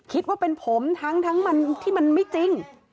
คิดว่าเป็นผมทั้งมันที่มันไม่จริง